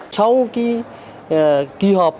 sau cái kỳ họp